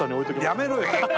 やめろよ。